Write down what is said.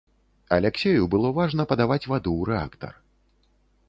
Аляксею было важна падаваць ваду ў рэактар.